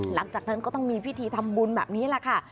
หลังจากนั้นก็ต้องมีพิธีทำบุญแบบนี้แหละค่ะ